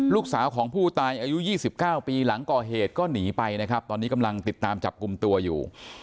ลูกสาวของผู้ตายอายุ๒๙ปีหลังก่อเหตุก็หนีไปนะครับตอนนี้กำลังติดตามจับกลุ่มตัวอยู่